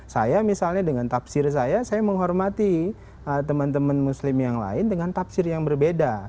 saya misalnya dengan tafsir saya saya menghormati teman teman muslim yang lain dengan tafsir yang berbeda